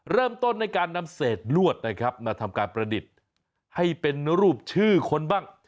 เริ่มต้นในการนำเศษลวดนะครับมาทำการประดิษฐ์ให้เป็นรูปชื่อคนบ้าง